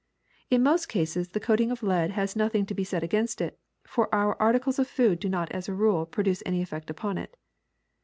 ^^In most cases the coating of lead has nothing to be said against it, for our articles of food do not, as a rule, produce any effect upon it.